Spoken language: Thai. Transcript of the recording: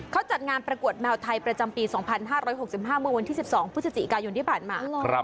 เขาจัดงานประกวดแมวไทยประจำปี๒๕๖๕เมื่อวันที่๑๒พฤศจิกายนที่ผ่านมา